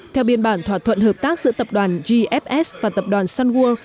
theo biên bản thỏa thuận hợp tác giữa tập đoàn gfs và tập đoàn sunwood